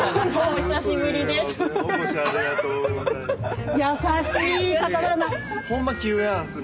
お越しありがとうございます。